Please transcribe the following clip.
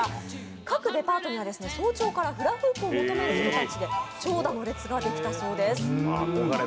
各デパートでは早朝からフラフープを求める人たちで長蛇の列ができたそうです。